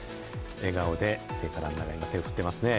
笑顔で聖火ランナーが今、手を振ってますね。